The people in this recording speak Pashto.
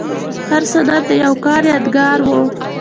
هر سند د یو کار یادګار و.